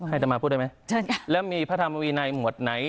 ให้ต่อมาพูดได้มั้ยแล้วมีพระธรรมวินัยหมวดไหน